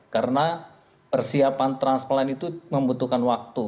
karena persiapan transplant itu membutuhkan waktu